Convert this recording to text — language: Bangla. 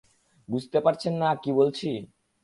বুঝতে পারছেন না কী বলছি?